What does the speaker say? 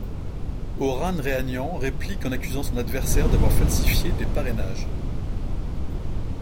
Aurane Reihanian réplique en accusant son adversaire d'avoir falsifié des parrainages.